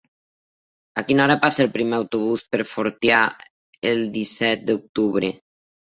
A quina hora passa el primer autobús per Fortià el disset d'octubre?